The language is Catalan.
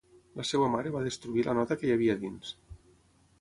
La seva mare va destruir la nota que hi havia dins.